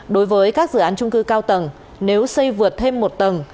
đối với các dự án trung cư cao tầng nếu xây vượt thêm một tầng